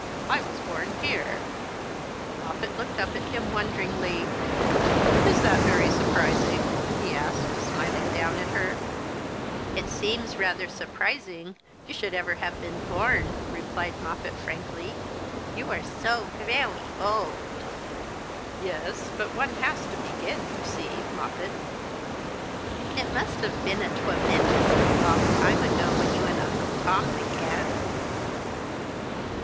I was born here." Moppet looked up at him wonderingly. "Is that yery surprising ?" he asked, smiling down at her. " It seems rather surprising you should ever have been born," replied Moppet, frankly ;" you are so veicay old." " Yes, but one has to begin, you see, Moppet." '' It must have been a twemendously long time ago when you and Uncle Tom began."